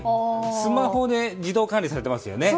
スマホで自動管理されていますよね。